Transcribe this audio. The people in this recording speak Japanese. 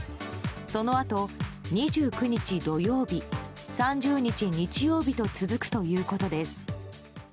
そのあと２９日土曜日３０日日曜日と続くということです。